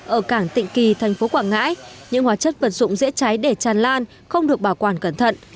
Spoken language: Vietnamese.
ở cảng tịnh kỳ thành phố quảng ngãi những hóa chất vật dụng dễ cháy để tràn lan không được bảo quản cẩn thận